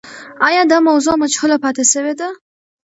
آیا دا موضوع مجهوله پاتې سوې ده؟